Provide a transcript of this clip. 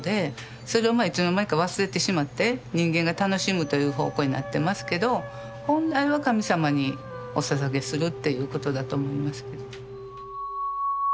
それをいつの間にか忘れてしまって人間が楽しむという方向になってますけど本来は神様におささげするということだと思いますけど。